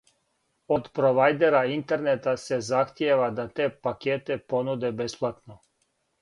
Од провајдера интернета се захтијева да те пакете понуде бесплатно.